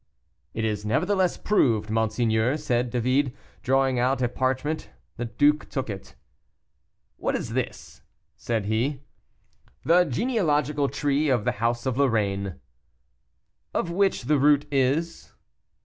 "It is nevertheless proved, monseigneur," said David, drawing out a parchment. The duke took it. "What is this?" said he. "The genealogical tree of the house of Lorraine." "Of which the root is?"